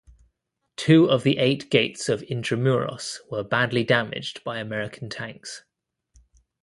Two of the eight gates of Intramuros were badly damaged by American tanks.